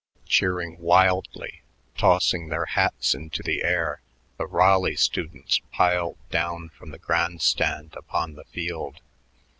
Cheering wildly, tossing their hats into the air, the Raleigh students piled down from the grand stand upon the field.